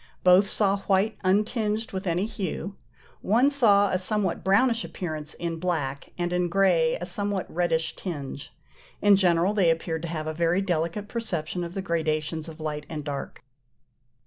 Both saw white untinged with any hue. One saw a somewhat brownish appearance in black, and in grey a somewhat reddish tinge. In general they appeared to have a very delicate perception of the gradations of light and dark.